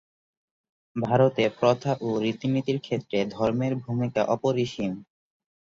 ভারতে প্রথা ও রীতিনীতির ক্ষেত্রে ধর্মের ভূমিকা অপরিসীম।